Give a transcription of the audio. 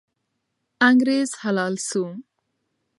انګریز حلال سو.